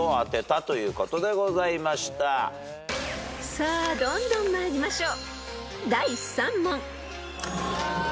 ［さあどんどん参りましょう］